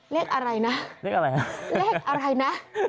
เลขอะไรนะ